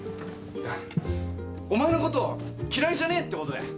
お前のことを嫌いじゃねえってことだよ。